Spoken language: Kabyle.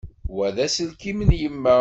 Wa d aselkim n yemma.